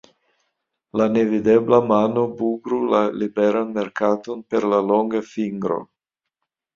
La Nevidebla Mano bugru la Liberan Merkaton per la longa fingro!